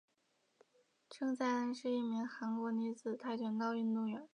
郑在恩是一名韩国女子跆拳道运动员。